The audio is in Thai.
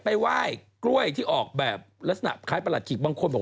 ไปไหว้กล้วยที่ออกแบบลักษณะคล้ายประหลัดขิกบางคนบอก